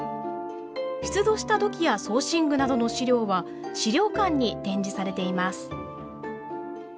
出土した土器や装身具などの資料は資料館に展示されています。